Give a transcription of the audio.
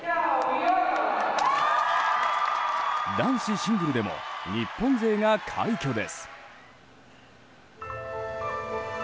男子シングルでも日本勢が快挙です。